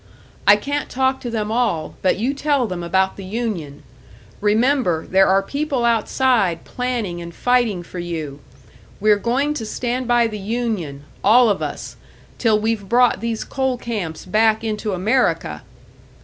I can't talk to them all, but you tell them about the union. Remember, there are people outside planning and fighting for you. We're going to stand by the union, all of us, till we've brought these coal camps back into America!"